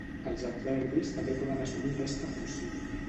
Els adverbis també poden assumir aquesta funció.